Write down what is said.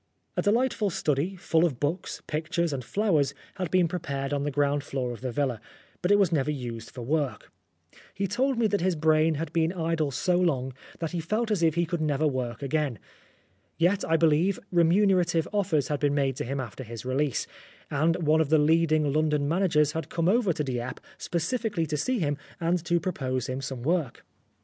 A delightful study, full of books, pictures, and flowers, had been prepared on the ground floor of the villa, but it was never used for work. He told me that his brain had been idle so long that he felt as if he could never work again. Yet, I believe, remunerative offers had been made to him after his release, and one of the leading London managers had come over to Dieppe specially to see him and to propose him some work.